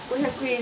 ５００円。